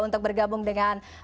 untuk bergabung dengan